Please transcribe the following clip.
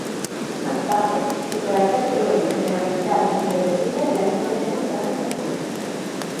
No obstante, su carácter cruel, temperamental e impredecible le hacía tener escasos apoyos.